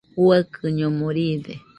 Uaikɨñomo riide.